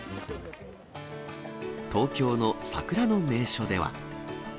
東京の桜の名所では。